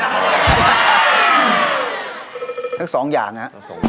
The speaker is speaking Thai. ทั้งสองอย่างนะ